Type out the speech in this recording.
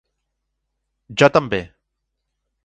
Jo també!